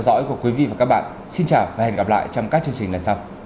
đăng ký kênh để ủng hộ kênh của mình nhé